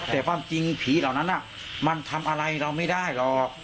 แต่ความจริงผีเหล่านั้นมันทำอะไรเราไม่ได้หรอก